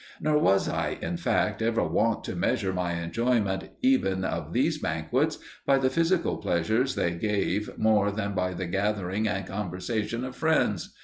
Nor was I, in fact, ever wont to measure my enjoyment even of these banquets by the physical pleasures they gave more than by the gathering and conversation of friends.